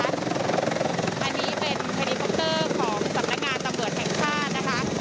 อันนี้เป็นของสำนักงานตะเบิดแห่งชาตินะคะ